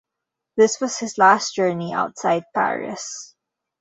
This was his last journey outside Paris.